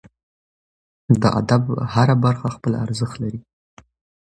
د ادب هره برخه خپل ارزښت لري.